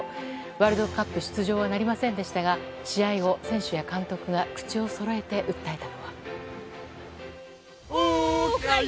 ワールドカップ出場はなりませんでしたが試合後、選手や監督が口をそろえて訴えたのは。